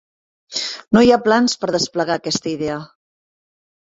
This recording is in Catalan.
No hi ha plans per desplegar aquesta idea.